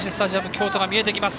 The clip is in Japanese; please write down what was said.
京都が見えてきます。